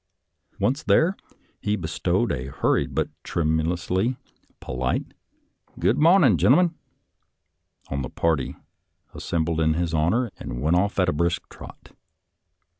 Once there, he bestowed a hurried but tremulously polite " Good mawnin', gentlemen," on the party assembled in his honor and went off at a brisk trot.